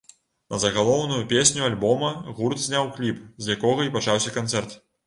На загалоўную песню альбома гурт зняў кліп, з якога і пачаўся канцэрт.